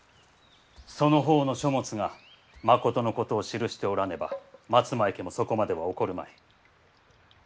そのほうの書物がまことのことを記しておらねば松前家もそこまでは怒るまい。